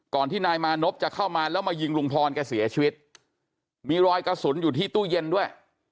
ที่นายมานพจะเข้ามาแล้วมายิงลุงพรแกเสียชีวิตมีรอยกระสุนอยู่ที่ตู้เย็นด้วย